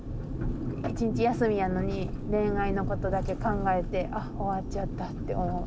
１日休みやのに恋愛のことだけ考えて「あ終わっちゃった」って思う。